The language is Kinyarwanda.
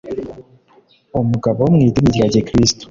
umugabo wo mu idini rya gikristu,